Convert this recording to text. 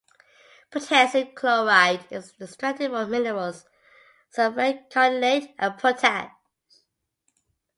Potassium chloride is extracted from minerals sylvite, carnallite, and potash.